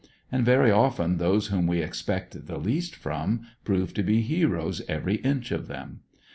And very often those whom we expect the least from prove to be heroes every inch of them.